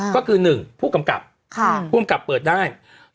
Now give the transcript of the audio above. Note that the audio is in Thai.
ก็คือ๑ผู้กำกับผู้กำกับเปิดได้